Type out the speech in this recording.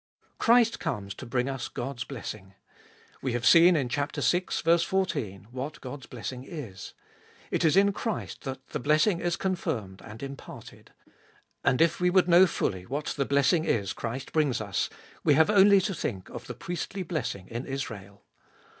Christ comes to bring us God's blessing. We have seen in chap. vi. 14 what God's blessing is. It is in Christ that the blessing is confirmed and imparted. And if we would know fully what the blessing is Christ brings us, we have only to think of the priestly blessing in Israel.